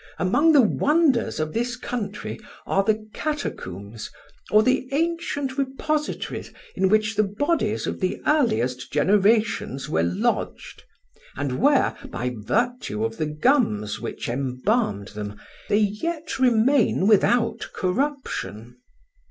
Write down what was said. Among the wonders of this country are the catacombs, or the ancient repositories in which the bodies of the earliest generations were lodged, and where, by the virtue of the gums which embalmed them, they yet remain without corruption."